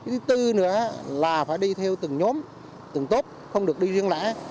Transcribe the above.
thứ bốn nữa là phải đi theo từng nhóm từng tốt không được đi riêng lã